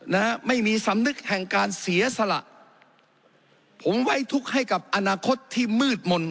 นะฮะไม่มีสำนึกแห่งการเสียสละผมไว้ทุกข์ให้กับอนาคตที่มืดมนต์